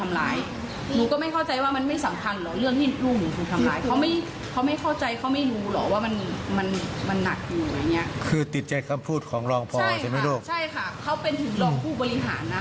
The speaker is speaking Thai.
หลอกผู้บริหารนะคะก็คือเขาพูดแบบนี้ไม่ได้